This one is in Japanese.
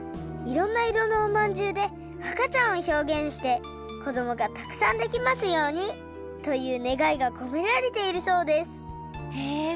いろんないろのおまんじゅうであかちゃんをひょうげんしてこどもがたくさんできますようにというねがいがこめられているそうですへえ！